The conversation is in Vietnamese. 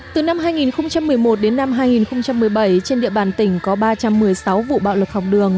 từ năm hai nghìn một mươi một đến năm hai nghìn một mươi bảy trên địa bàn tỉnh có ba trăm một mươi sáu vụ bạo lực học đường